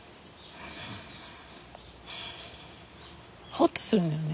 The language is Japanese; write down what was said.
ほっとするのね